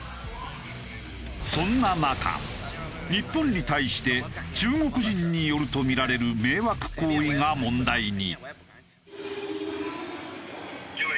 そんな中日本に対して中国人によるとみられる迷惑行為が問題に。